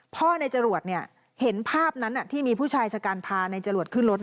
พ่อในจรวดเนี่ยเห็นภาพนั้นที่มีผู้ชายชะกันพานายจรวดขึ้นรถ